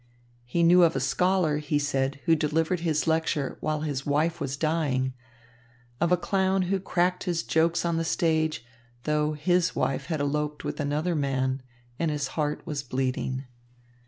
He knew of a scholar, he said, who delivered his lecture while his wife was dying, of a clown who cracked his jokes on the stage, though his wife had eloped with another man and his heart was bleeding.